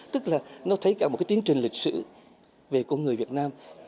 tức là nó thấy cả một cái tiến trình lịch sử về con người việt nam